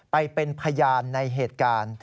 ไปเป็นพยานในเหตุการณ์